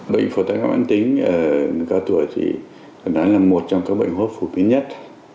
bệnh phổi tắc nghẽn mãn tính ở người cao tuổi thì đáng là một trong các bệnh hốt phục nhất